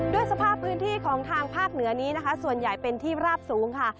สภาพพื้นที่ของทางภาคเหนือนี้นะคะส่วนใหญ่เป็นที่ราบสูงค่ะ